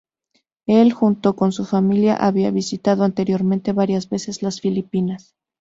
Él junto con su familia, había visitado anteriormente varias veces las Filipinas.